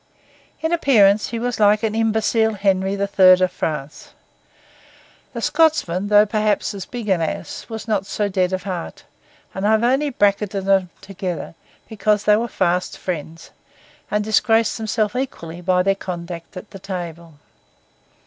In appearance he was like an imbecile Henry the Third of France. The Scotsman, though perhaps as big an ass, was not so dead of heart; and I have only bracketed them together because they were fast friends, and disgraced themselves equally by their conduct at the table.